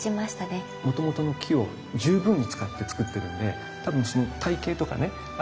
もともとの木を十分に使ってつくってるんで多分体形とかね